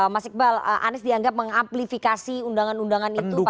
mas iqbal anies dianggap mengamplifikasi undangan undangan itu